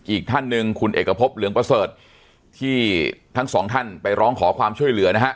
อีกท่านหนึ่งคุณเอกพบเหลืองประเสริฐที่ทั้งสองท่านไปร้องขอความช่วยเหลือนะฮะ